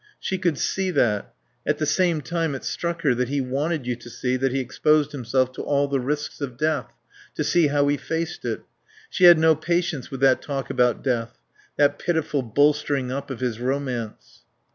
She could see that. At the same time it struck her that he wanted you to see that he exposed himself to all the risks of death, to see how he faced it. She had no patience with that talk about death; that pitiful bolstering up of his romance.